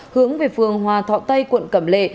hướng về phường hòa thọ tây quận cẩm lệ